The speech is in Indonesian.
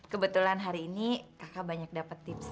kebetulan hari ini kakak banyak dapat tips